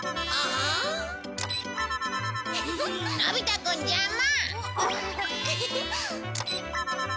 のび太くん邪魔。